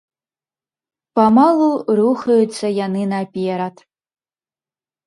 Памалу рухаюцца яны наперад.